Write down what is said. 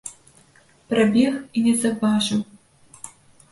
Прабег і не заўважыў.